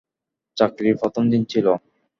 চাকরির প্রথম দিন ছিল।